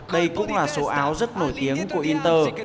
đây cũng là số áo rất nổi tiếng của inter